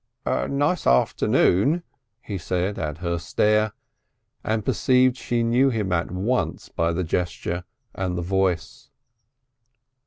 "Nice afternoon," he said at her stare, and perceived she knew him at once by the gesture and the voice.